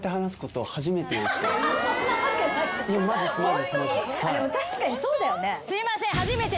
でも確かにそうだよね。